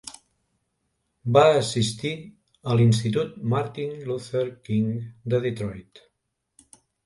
Va assistir a l'Institut Martin Luther King de Detroit.